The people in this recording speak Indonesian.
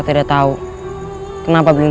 tidak tahu kenapa biung